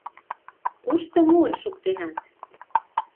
— Кушто муын шуктенат?